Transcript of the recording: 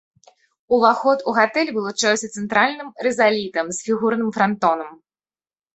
Уваход у гатэль вылучаўся цэнтральным рызалітам з фігурным франтонам.